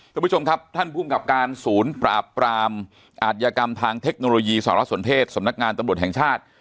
คุณผู้ชมครับท่านภูมิกับการศูนย์ปราบปรามอาธิกรรมทางเทคโนโลยีสารสนเทศสำนักงานตำรวจแห่งชาติ